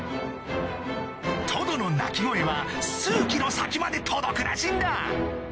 トドの鳴き声は数ｋｍ先まで届くらしいんだ